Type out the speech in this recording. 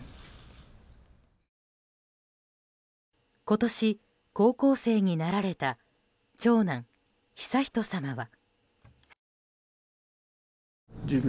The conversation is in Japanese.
今年、高校生になられた長男・悠仁さまは。